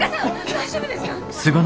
大丈夫ですか？